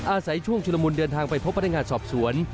อาศัยช่วงชุลมุนเดินทางไปพบพนักงานสอบสวน